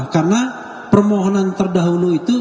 karena permohonan terdahulu itu